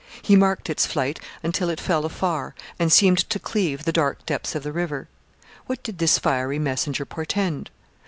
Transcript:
He marked its flight until it fell afar and seemed to cleave the dark depths of the river. What did this fiery messenger portend?